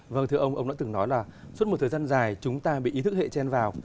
vâng thưa ông ông đã từng nói là suốt một thời gian dài chúng ta bị ý thức hệ chen vào